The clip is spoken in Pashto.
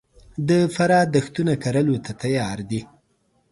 د فراه دښتونه کرلو ته تیار دي